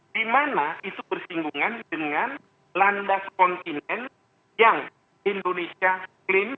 di mana itu bersinggungan dengan landas kontinen yang indonesia klaim